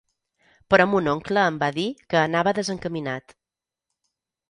Però mon oncle em va dir que anava desencaminat.